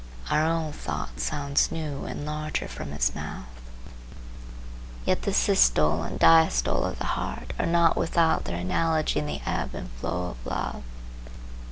Our own thought sounds new and larger from his mouth. Yet the systole and diastole of the heart are not without their analogy in the ebb and flow of love.